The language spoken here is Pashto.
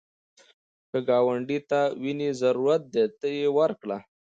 که ګاونډي ته وینې ضرورت دی، ته یې ورکړه